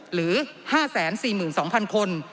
หรือ๕๔๒๐๐คน